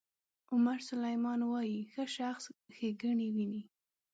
عمر سلیمان وایي ښه شخص ښېګڼې ویني.